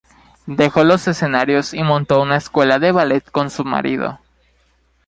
Dejó los escenarios y montó una escuela de ballet con su marido.